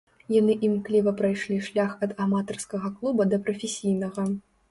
Яны імкліва прайшлі шлях ад аматарскага клуба да прафесійнага.